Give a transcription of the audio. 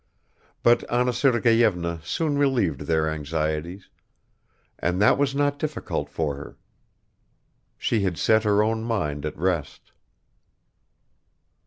But Anna Sergeyevna soon relieved their anxieties, and that was not difficult for her; she had set her own mind at rest.